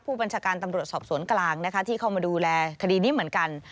ผู้บัญชาการตำรวจสอบสวนกลางนะคะที่เข้ามาดูแลคดีนี้เหมือนกัน